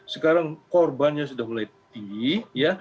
sekarang korbannya sudah mulai tinggi ya